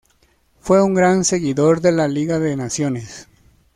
Fue un gran seguidor de la Liga de Naciones.